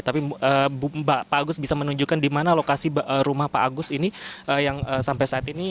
tapi pak agus bisa menunjukkan di mana lokasi rumah pak agus ini yang sampai saat ini